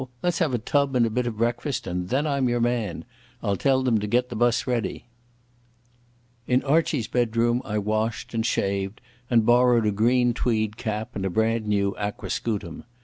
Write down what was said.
Let's have a tub and a bit of breakfast, and then I'm your man. I'll tell them to get the bus ready." In Archie's bedroom I washed and shaved and borrowed a green tweed cap and a brand new aquascutum.